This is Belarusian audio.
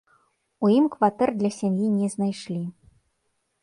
У ім кватэр для сям'і не знайшлі.